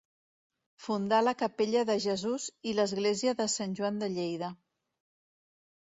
Fundà la capella de Jesús i l'església de Sant Joan de Lleida.